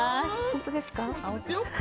本当ですか。